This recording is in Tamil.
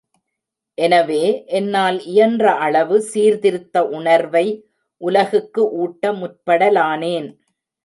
எனவே, என்னால் இயன்ற அளவு சீர்திருத்த உணர்வை உலகுக்கு ஊட்ட முற்படலானேன்.